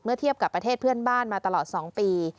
เทียบกับประเทศเพื่อนบ้านมาตลอด๒ปี